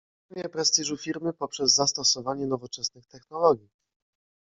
Zwiększenie prestiżu Firmy poprzez zastosowanie nowoczesnych technologii